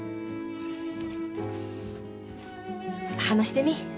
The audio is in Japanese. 話してみ。